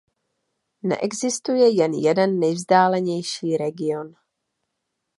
Neexistuje jen jeden nejvzdálenější region.